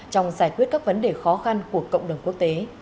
trong giải quyết các vấn đề khó khăn của cộng đồng quốc tế